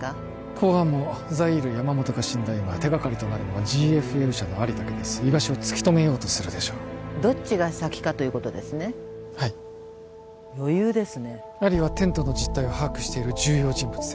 公安もザイール山本が死んだ今手掛かりとなるのはＧＦＬ社のアリだけです居場所を突き止めようとするでしょうどっちが先かということですねはい余裕ですねアリはテントの実態を把握している重要人物です